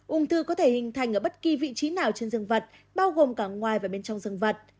ung thư có thể hình thành ở bất kỳ vị trí nào trên rừng vật bao gồm cả ngoài và bên trong rừng vật